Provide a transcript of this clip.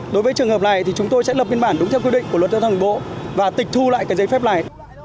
đối với trường hợp này thì chúng tôi sẽ lập biên bản đúng theo quy định của luật giao thông đường bộ và tịch thu lại cái giấy phép này